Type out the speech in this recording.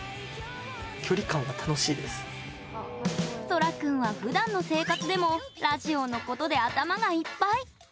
天君は、ふだんの生活でもラジオのことで頭がいっぱい。